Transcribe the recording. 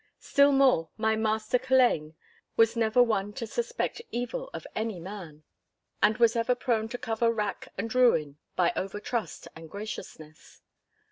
Still more, my master Culzean was never one to suspect evil of any man, and was ever prone to cover wrack and ruin by over trust and graciousness.